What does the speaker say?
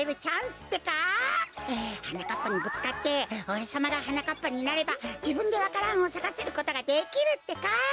はなかっぱにぶつかっておれさまがはなかっぱになればじぶんでわか蘭をさかせることができるってか！